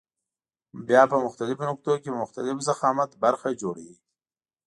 بیا په مختلفو نقطو کې په مختلف ضخامت برخه جوړوي.